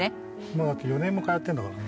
もうだって４年も通ってるんだからね。